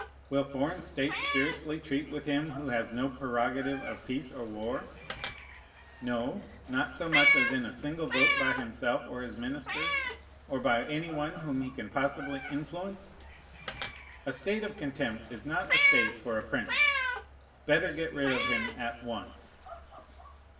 Will foreign states seriously treat with him who has no prerogative of peace or war, no, not so much as in a single vote by himself or his ministers, or by any one whom he can possibly influence? A state of contempt is not a state for a prince: better get rid of him at once.